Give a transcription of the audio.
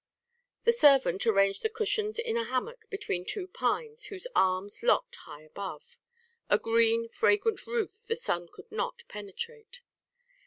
The servant arranged the cushions in a hammock between two pines whose arms locked high above, a green fragrant roof the sun could not penetrate.